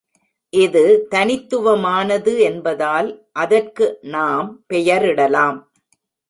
இது தனித்துவமானது என்பதால் அதற்கு நாம் பெயரிடலாம்.